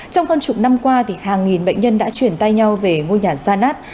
trong con trụng năm qua hàng nghìn bệnh nhân đã chuyển tay nhau về ngôi nhà zanat